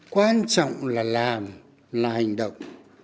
quan trọng là làm là hành động